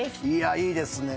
いいですね。